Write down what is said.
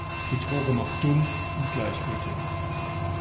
Die Droge macht dumm und gleichgültig.